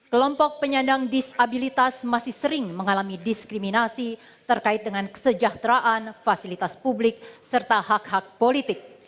kelompok penyandang disabilitas masih sering mengalami diskriminasi terkait dengan kesejahteraan fasilitas publik serta hak hak politik